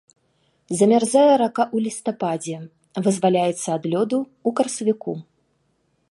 Замярзае рака ў лістападзе, вызваляецца ад лёду ў красавіку.